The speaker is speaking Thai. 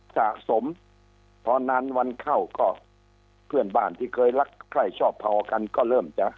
สะสมพอนานวันเข้าก็เพื่อนบ้านที่เคยรักใคร่ชอบพอกันก็เริ่มจะ